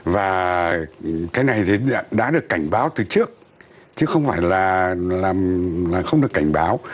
và cái này thì đã được cảnh báo từ trước chứ không phải là không được cảnh báo